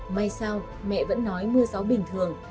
may sao mẹ vẫn nói mưa gió bình thường